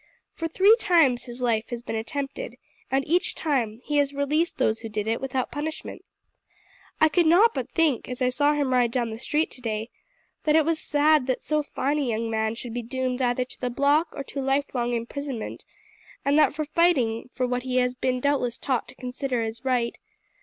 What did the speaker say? For three times his life has been attempted, and each time he has released those who did it without punishment. I could not but think, as I saw him ride down the street today, that it was sad that so fine a young man should be doomed either to the block or to a lifelong imprisonment, and that for fighting for what he has been doubtless taught to consider his right.